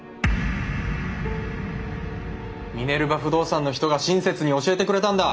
ミネルヴァ不動産の人が親切に教えてくれたんだ！